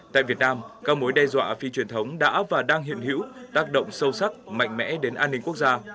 tại việt nam các mối đe dọa phi truyền thống đã và đang hiện hữu tác động sâu sắc mạnh mẽ đến an ninh quốc gia